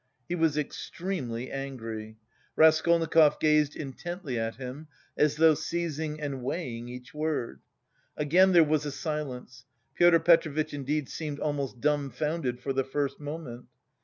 He was extremely angry. Raskolnikov gazed intently at him, as though seizing and weighing each word. Again there was a silence. Pyotr Petrovitch indeed seemed almost dumbfounded for the first moment.